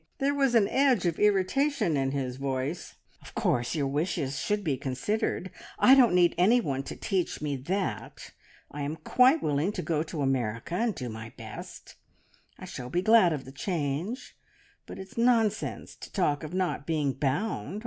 There was an edge of irritation in his voice "Of course your wishes should be considered. I don't need any one to teach me that. I am quite willing to go to America and do my best. I shall be glad of the change, but it's nonsense to talk of not being bound.